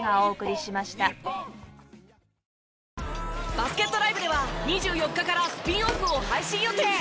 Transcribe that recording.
バスケットＬＩＶＥでは２４日からスピンオフを配信予定。